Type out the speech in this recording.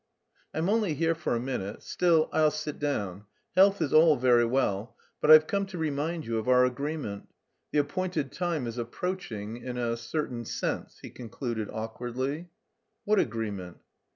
"I'm only here for a minute. Still, I'll sit down. Health is all very well, but I've come to remind you of our agreement. The appointed time is approaching... in a certain sense," he concluded awkwardly. "What agreement?"